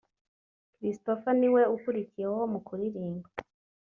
christopher niwe ukurikiyeho mu kuririmba